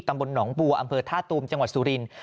ตำบลหนองบัวอำเภอท่าตูมจังหวัดสุรินทร์